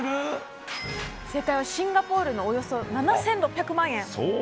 正解はシンガポールのおよそ７６００万円。